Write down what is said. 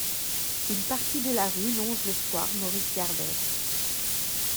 Une partie de la rue longe le square Maurice-Gardette.